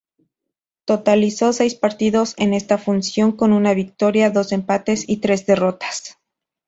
Totalizó seis partidos en esta función con una victoria, dos empates y tres derrotas.